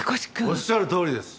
おっしゃるとおりです。